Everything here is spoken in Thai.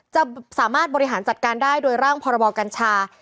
จะสามารถบริหารจัดการได้โดยร่างพรบกัญชา